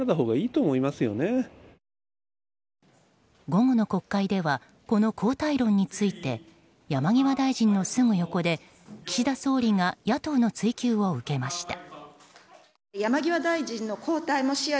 午後の国会ではこの交代論について山際大臣のすぐ横で、岸田総理が野党の追及を受けました。